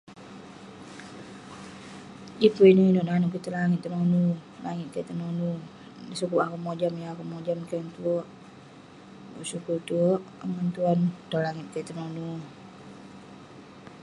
Yeng pun ineuk-ineuk nanuek langit kik tong tenonu sumat akeuk mojam keh tuek bersyukur tuek akuek ngan tuan tong langit tenonu